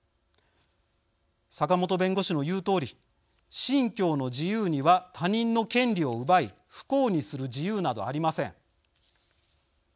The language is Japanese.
坂本弁護士の言うとおり信教の自由には他人の権利を奪い不幸にする自由などありません。